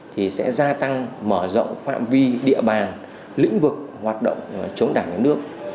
thì sẽ gia tăng mở rộng phạm vi địa bàn lĩnh vực hoạt động chống đảng nhà nước